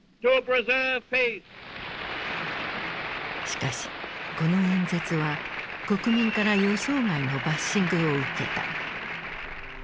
しかしこの演説は国民から予想外のバッシングを受けた。